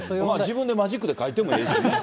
自分でマジックで描いてもええしね。